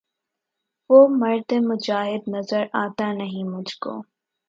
وہ مرد مجاہد نظر آتا نہیں مجھ کو